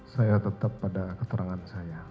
saya tetap pada keterangan saya